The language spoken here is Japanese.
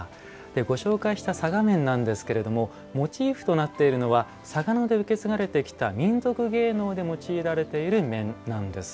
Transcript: ご紹介した嵯峨面なんですけどもモチーフとなっているのは嵯峨野で受け継がれてきた民俗芸能で用いられている面なんです。